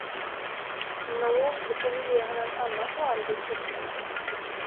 Nå, du får väl ge henne en annan hare vid tillfälle!